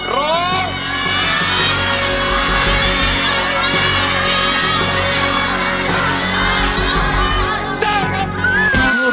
ร้องได้ให้ล้าน